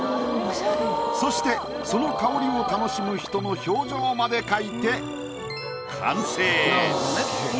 そしてその香りを楽しむ人の表情まで描いて完成。